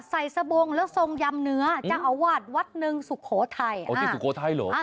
ใส่สบงและทรงยำเนื้อจะอาวาดวัดหนึ่งสุโขทัยอ่าสุโขทัยเหรออ่า